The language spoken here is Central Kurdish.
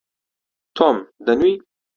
تۆم، دەنووی؟